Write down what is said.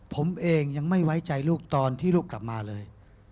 ผมเองยังไม่ไว้ใจลูกตอนที่ลูกกลับมาเลย